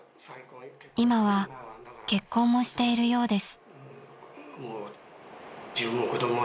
［今は結婚もしているようです］